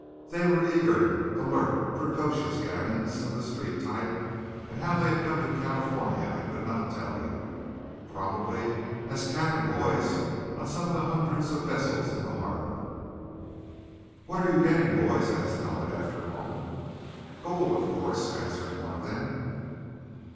They were eager, alert, precocious gamins, of the street type and how they had come to California I could not tell you. Probably as cabin boys of some of the hundreds of vessels in the harbour. "What are you getting, boys?" asked Talbot after a moment. "Gold, of course," answered one of them.